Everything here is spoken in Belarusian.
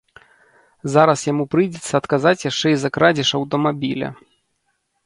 Зараз яму прыйдзецца адказаць яшчэ і за крадзеж аўтамабіля.